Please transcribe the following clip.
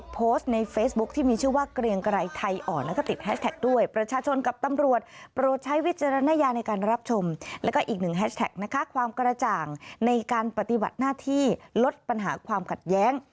ปฏิบัติหน้าที่ลดปัญหาความกัดแย้ง